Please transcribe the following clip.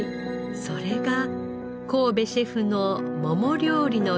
それが神戸シェフの桃料理の原点でした。